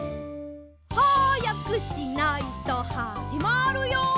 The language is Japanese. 「はやくしないとはじまるよ」